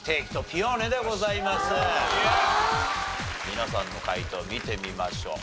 皆さんの解答を見てみましょう。